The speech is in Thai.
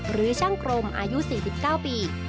หรือช่างกรมอายุ๔๙ปี